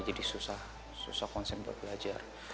jadi susah konsen buat belajar